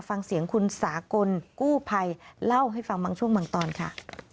ฟังเสียงคุณสากลกู้ภัยเล่าให้ฟังบางช่วงบางตอนค่ะ